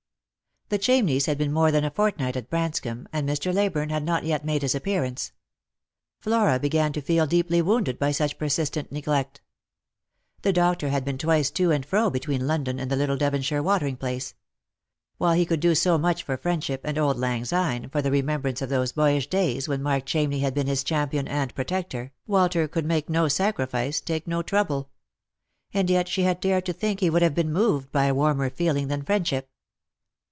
The Chamneys had been more than a fortnight at Branscomb, and Mr. Leyburne had not yet made his appearance. Flora began to feel deeply wounded by such persistent neglect. The doctor had been twice to and fro between London and the little Devonshire watering place. While he could do so much for friendship and " auld lang syne," for the remembrance of those boyish days when Mark Chamney had been his champion and protector, Walter could make no sacrifice, take no trouble. And yet she had dared to think he would have been moved by a warmer feeling than friendship.